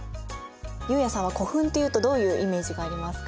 悠也さんは古墳っていうとどういうイメージがありますか？